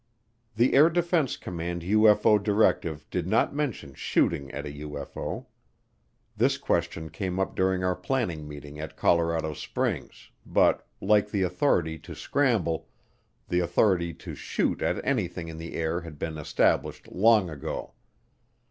The Air Defense Command UFO directive did not mention shooting at a UFO. This question came up during our planning meeting at Colorado Springs, but, like the authority to scramble, the authority to shoot at anything in the air had been established long ago.